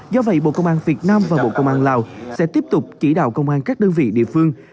do vậy bộ công an việt nam và bộ công an lào sẽ tiếp tục chỉ đạo công an các đơn vị địa phương